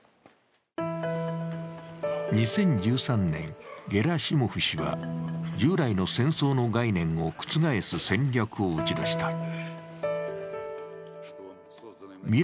２０１３年、ゲラシモフ氏は従来の戦争の概念を覆す戦略を打ち出した。